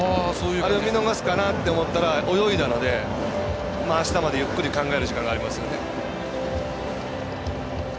見逃すかなと思ったら泳いだのであしたまで、ゆっくり考える時間がありますよね。